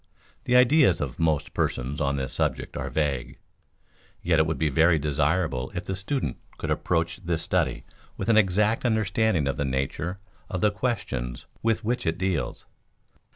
The ideas of most persons on this subject are vague, yet it would be very desirable if the student could approach this study with an exact understanding of the nature of the questions with which it deals.